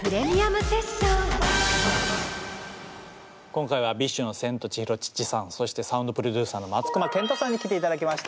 今今回はＢｉＳＨのセントチヒロ・チッチさんそしてサウンドプロデューサーの松隈ケンタさんに来ていただきました。